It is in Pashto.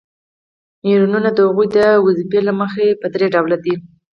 نیورونونه د هغوی د دندې له مخې په درې ډوله دي.